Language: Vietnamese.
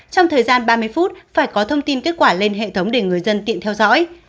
trong thời gian ba mươi phút phải có thông tin kết quả lên hệ thống để người dân tiện theo dõi